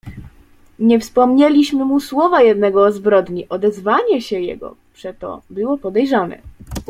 "Nie wspomnieliśmy mu słowa jednego o zbrodni, odezwanie się jego przeto było podejrzane."